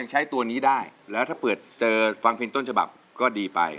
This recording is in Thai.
ใช้ตัวนี้ได้แล้วถ้าเปิดเจอฟังเพลงต้นฉบับก็ดีไป